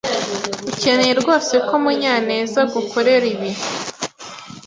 Ukeneye rwose ko Munyanezagukorera ibi?